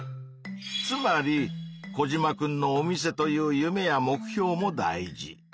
つまりコジマくんのお店という夢や目標も大事。